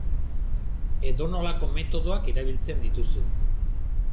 Edonolako metodoak erabiltzen dituzu.